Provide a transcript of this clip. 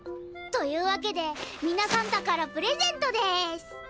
というわけでミナサンタからプレゼントです！